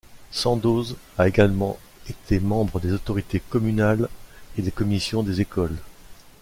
Sandoz a également été membre des autorités communales et des commissions des écoles.